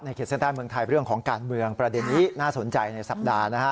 ขีดเส้นใต้เมืองไทยเรื่องของการเมืองประเด็นนี้น่าสนใจในสัปดาห์นะฮะ